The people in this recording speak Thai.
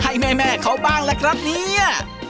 ให้แม่เขาบ้างล่ะครับเนี่ย